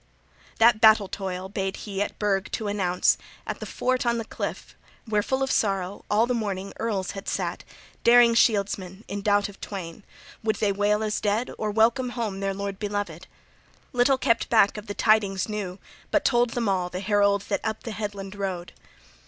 XXXVIII THAT battle toil bade he at burg to announce, at the fort on the cliff, where, full of sorrow, all the morning earls had sat, daring shieldsmen, in doubt of twain: would they wail as dead, or welcome home, their lord beloved? Little {38a} kept back of the tidings new, but told them all, the herald that up the headland rode.